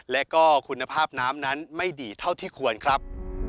และก็คุณภาพน้ำนั้นไม่ดีเท่าที่ควรครับ